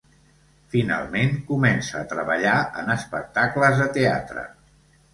Finalment, comença a treballar en espectacles de teatre.